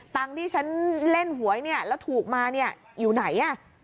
ตังค์ที่ฉันเล่นหวยเนี่ยแล้วถูกมาเนี่ยอยู่ไหน